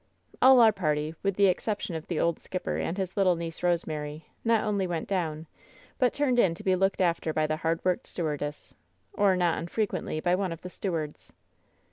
All our party, with the exception of the old skipper and his little niece Rosemary, not only went down, but turned in to be looked after by the hard worked stew ardess, or not unfrequently by one of the stewards.